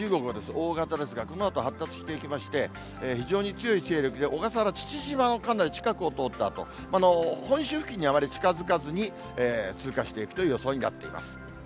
大型ですが、このあと発達していきまして、非常に強い勢力で小笠原・父島のかなり近くを通ったあと、本州付近にあまり近づかずに、通過していくという予想になっています。